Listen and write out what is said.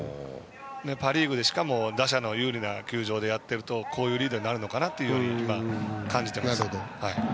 パ・リーグで、しかも打者の有利な球場でやるとこういうリードになるのかなといった感じです。